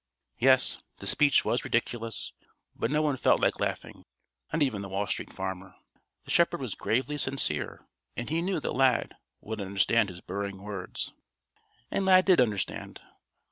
Yes, the speech was ridiculous, but no one felt like laughing, not even the Wall Street Farmer. The shepherd was gravely sincere and he knew that Lad would understand his burring words. And Lad did understand.